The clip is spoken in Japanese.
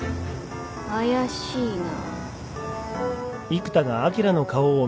怪しいな。